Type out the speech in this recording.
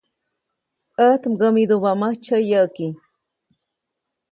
ʼÄjt mkämidubäʼmäjtsyä yäʼki.